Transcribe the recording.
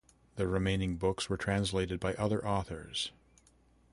The remaining books were translated by other authors.